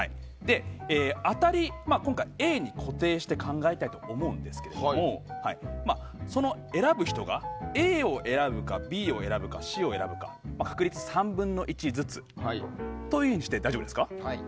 当たり、今回Ａに固定して考えたいですがその選ぶ人がＡを選ぶか、Ｂを選ぶかＣを選ぶか確率は３分の１ずつとして大丈夫ですか？